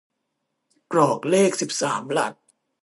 กรอกเลขสิบสามหลัก